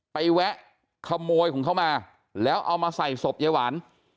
แวะขโมยของเขามาแล้วเอามาใส่ศพยายหวาน